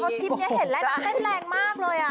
เออคลิปนี้เห็นแล้วอันนั้นเต้นแรงมากเลยอ่ะ